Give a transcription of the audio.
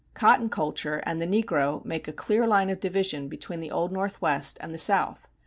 Cotton culture and the negro make a clear line of division between the Old Northwest and the South.